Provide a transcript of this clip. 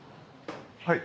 はい。